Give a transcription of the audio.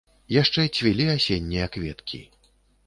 Яшчэ цвілі асеннія кветкі.